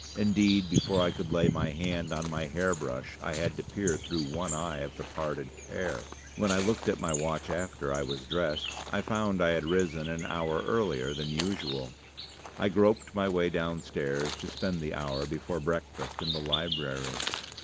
Indeed, before I could lay my hand on my hair brush I had to peer through one eye of the parted pair. When I looked at my watch after I was dressed, I found I had risen an hour earlier than usual. I groped my way downstairs to spend the hour before breakfast in the library.